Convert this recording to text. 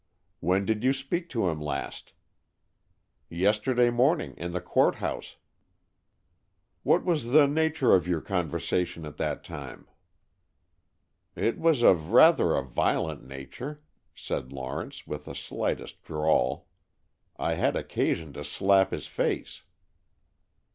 "When did you speak to him last?" "Yesterday morning, in the Court House." "What was the nature of your conversation at that time?" "It was of rather a violent nature," said Lawrence, with the slightest drawl. "I had occasion to slap his face."